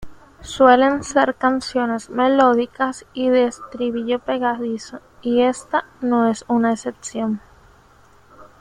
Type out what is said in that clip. Suelen ser canciones melódicas y de estribillo pegadizo, y esta no es una excepción.